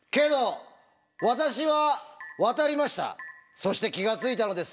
そして気が付いたのです「